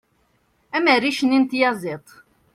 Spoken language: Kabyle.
am rric-nni n tyaziḍt